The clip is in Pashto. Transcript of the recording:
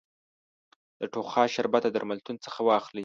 د ټوخا شربت د درملتون څخه واخلی